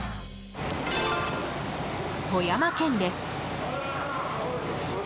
富山県です。